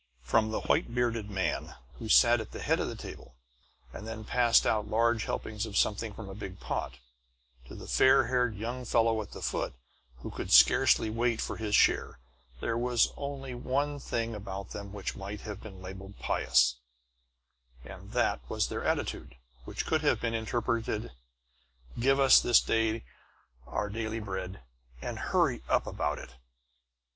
From the white bearded man who sat at the head of the table and passed out large helpings of something from a big pot, to the fair haired young fellow at the foot, who could scarcely wait for his share, there was only one thing about them which might have been labeled pious; and that was their attitude, which could have been interpreted: "Give us this day our daily bread and hurry up about it!"